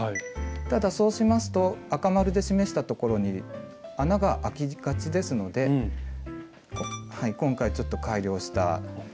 ただそうしますと赤丸で示したところに穴があきがちですので今回ちょっと改良した。